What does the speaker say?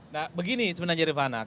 nah begini sebenarnya rifana